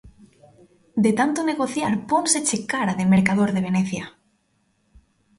De tanto negociar pónseche cara de mercador de Venecia.